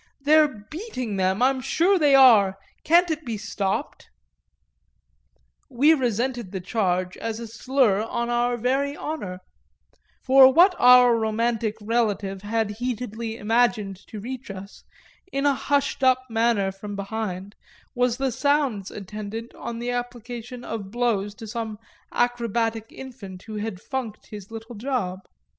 They're beating them, I'm sure they are; can't it be stopped?" we resented the charge as a slur on our very honour; for what our romantic relative had heatedly imagined to reach us, in a hushed up manner from behind, was the sounds attendant on the application of blows to some acrobatic infant who had "funked" his little job.